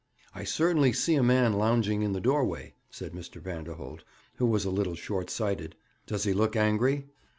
'I certainly see a man lounging in the doorway,' said Mr. Vanderholt, who was a little short sighted. 'Does he look angry?'